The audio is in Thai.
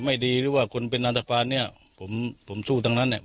ไม่ดีหรือว่าคนเป็นอันตภัณฑ์เนี่ยผมผมสู้ทั้งนั้นเนี่ย